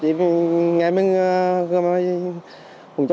chỉ nghe mình quần chủ nhân dân chỉ ở điểm đó thì bơi ra